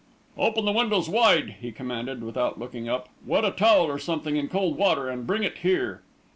"Open the windows wide," he commanded, without looking up. "Wet a towel, or something, in cold water, and bring it here."